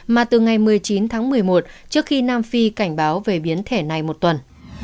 mà từ ngày một mươi chín tháng một mươi một trước khi nam phi cảnh báo về biến thể này một tuần